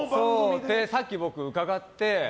さっき僕、伺って。